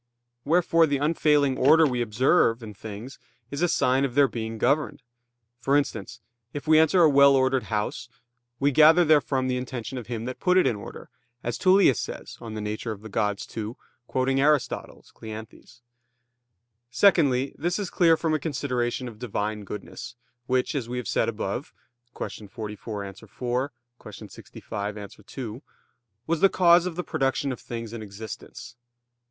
Wherefore the unfailing order we observe in things is a sign of their being governed; for instance, if we enter a well ordered house we gather therefrom the intention of him that put it in order, as Tullius says (De Nat. Deorum ii), quoting Aristotle [*Cleanthes]. Secondly, this is clear from a consideration of Divine goodness, which, as we have said above (Q. 44, A. 4; Q. 65, A. 2), was the cause of the production of things in existence.